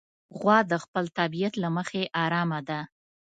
غوا د خپل طبیعت له مخې ارامه ده.